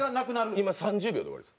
今、３０秒で終わりです。